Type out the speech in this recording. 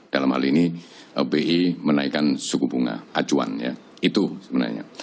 dalam hal ini bi menaikkan suku bunga acuan ya itu sebenarnya